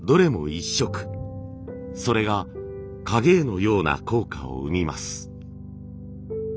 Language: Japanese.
それが影絵のような効果を生みます。